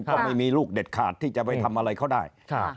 ก็ไม่มีลูกเด็ดขาดที่จะไปทำอะไรเขาได้